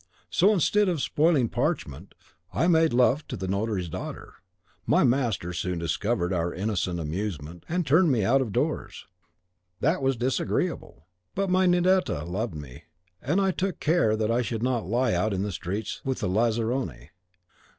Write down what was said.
So, instead of spoiling parchment, I made love to the notary's daughter. My master discovered our innocent amusement, and turned me out of doors; that was disagreeable. But my Ninetta loved me, and took care that I should not lie out in the streets with the Lazzaroni.